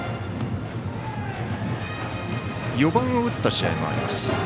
４番を打った試合もあります。